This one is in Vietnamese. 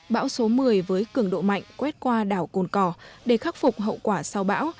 bão số một mươi với cường độ mạnh quét qua đảo cồn cỏ để khắc phục hậu quả sau bão